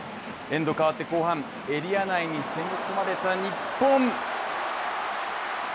エンド変わって後半、エリア内に攻め込まれた日本。